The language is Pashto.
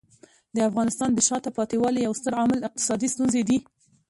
د افغانستان د شاته پاتې والي یو ستر عامل اقتصادي ستونزې دي.